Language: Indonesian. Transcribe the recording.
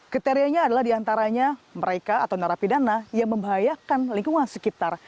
kriterianya adalah diantaranya mereka atau narapidana yang membahayakan lingkungan sekitar